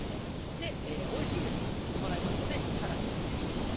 「おいしいです」なんて言ってもらいますのでさらに続けてください。